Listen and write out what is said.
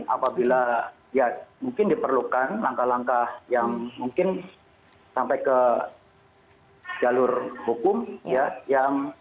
apabila ya mungkin diperlukan langkah langkah yang mungkin sampai ke jalur hukum ya